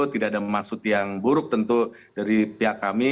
tidak ada maksud yang buruk tentu dari pihak kami